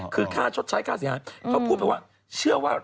คือเขาพูดแบบว่าเชื่อว่า